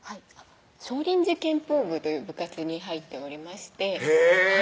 少林寺拳法部という部活に入っておりましてへぇ！